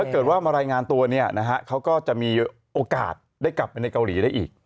เกิดว่ามารายงานตัวเขาก็จะมีโอกาสได้กลับไปในเกาหลีได้อีก